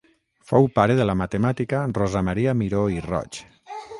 Fou pare de la matemàtica Rosa Maria Miró i Roig.